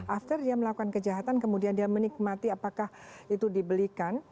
after dia melakukan kejahatan kemudian dia menikmati apakah itu dibelikan